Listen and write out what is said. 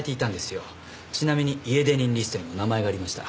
ちなみに家出人リストにも名前がありました。